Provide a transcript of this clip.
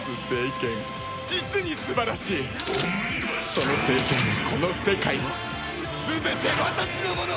その聖剣もこの世界も全て私のもの！